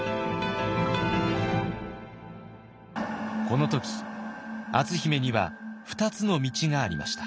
この時篤姫には２つの道がありました。